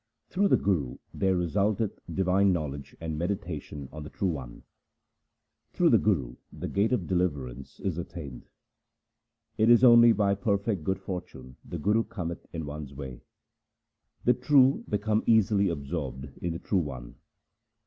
Through the Guru there resulteth divine knowledge and meditation on the True One ; Through the Guru the gate of deliverance is attained. It is only by perfect good fortune the Guru cometh in one's way. The true become easily absorbed in the True One.